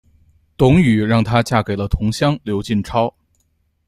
董瑀让她嫁给了同乡刘进超。